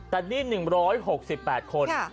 แต่นี่๑๖๘คน